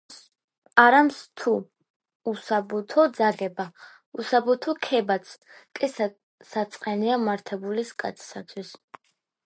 „არამც თუ უსაბუთო ძაგება, უსაბუთო ქებაც კი საწყენია მართებულის კაცისათვის.“